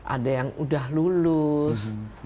ada yang udah lulus